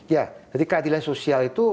ya jadi keadilan sosial itu